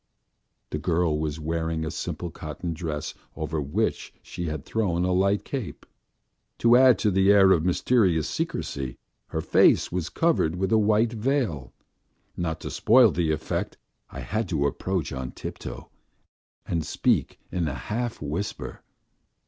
... The girl was wearing a simple cotton dress over which she had thrown a light cape. To add to the air of mysterious secrecy, her face was covered with a white veil. Not to spoil the effect, I had to approach on tiptoe and speak in a half whisper.